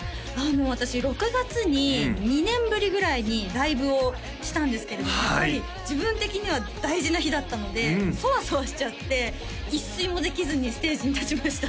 私６月に２年ぶりぐらいにライブをしたんですけれどもやっぱり自分的には大事な日だったのでソワソワしちゃって一睡もできずにステージに立ちました